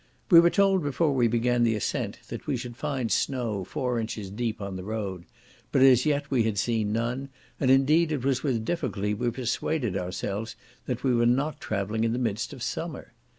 We were told before we began the ascent, that we should find snow four inches deep on the road; but as yet we had seen none, and indeed it was with difficulty we persuaded ourselves that we were not travelling in the midst of summer.